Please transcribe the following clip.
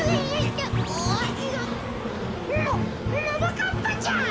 あっももかっぱちゃん！